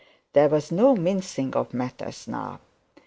There was no mincing of matters now.